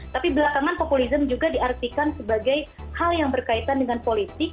tapi belakangan populisme juga diartikan sebagai hal yang berkaitan dengan politik